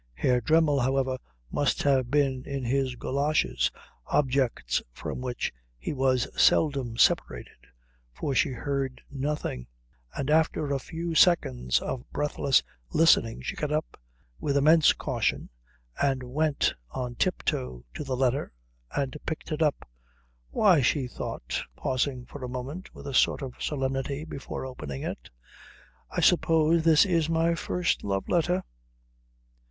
Herr Dremmel, however, must have been in his goloshes, objects from which he was seldom separated, for she heard nothing; and after a few seconds of breathless listening she got up with immense caution and went on tip toe to the letter and picked it up. "Why," she thought, pausing for a moment with a sort of solemnity before opening it, "I suppose this is my first love letter."